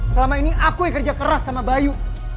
selama ini aku ya kerja keras sama bayu